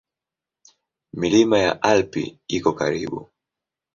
Milima ya Alpi iko karibu.